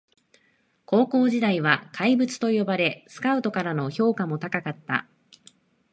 高校時代は怪物と呼ばれスカウトからの評価も高かった